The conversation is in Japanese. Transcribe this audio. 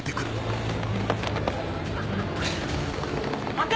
待て！